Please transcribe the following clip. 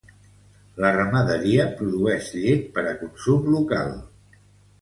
La ramaderia produïx llet per a consum local.